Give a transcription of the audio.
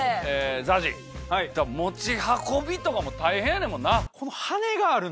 ＺＡＺＹ持ち運びとかも大変やねんもんな。